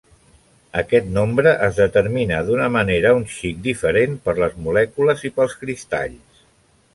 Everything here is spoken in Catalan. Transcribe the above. Aquest nombre es determina d'una manera un xic diferent per les molècules i pels cristalls.